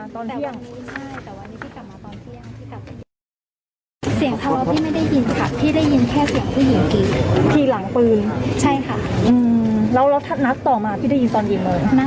เสียงทะเลาะพี่ไม่ได้ยินค่ะพี่ได้ยินแค่เสียงผู้หญิงกรี๊ด